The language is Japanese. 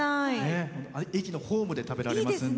駅のホームで食べられますので。